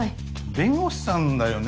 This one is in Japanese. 弁護士さんだよね？